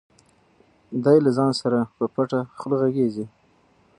دی له ځان سره په پټه خوله غږېږي.